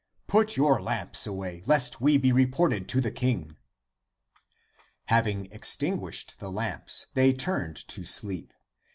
Put your lamps away, lest we be reported to the king." Having extinguished the lamps, they turned to sleep.